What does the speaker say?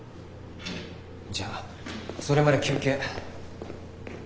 じゃあそれまで休憩。